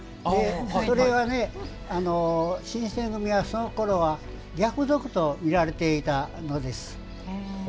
それが、新選組はそのころは逆賊とみられていたのです。